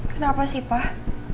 kenapa sih pak